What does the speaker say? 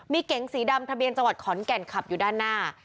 มีเก๋งสีดำทะเบียนจังหวัดขอนแก่นขับอยู่ด้านหน้า